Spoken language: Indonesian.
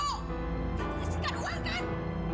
gak menghasilkan uang kan